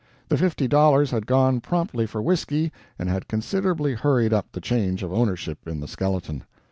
The fifty dollars had gone promptly for whiskey and had considerably hurried up the change of ownership in the skeleton.